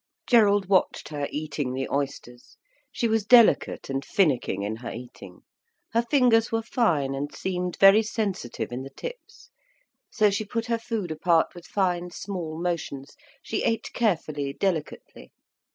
Gerald watched her eating the oysters. She was delicate and finicking in her eating, her fingers were fine and seemed very sensitive in the tips, so she put her food apart with fine, small motions, she ate carefully, delicately.